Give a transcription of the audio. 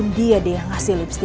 tante aku mau ke rumah tante